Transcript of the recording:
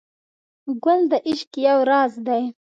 ګل د عشق یو راز دی.